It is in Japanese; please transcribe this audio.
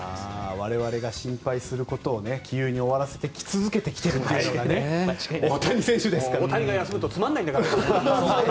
我々が心配することを杞憂に終わらせ続けているのが大谷が休むとつまらないんだから。